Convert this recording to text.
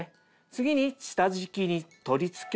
次に下敷きに取り付けると。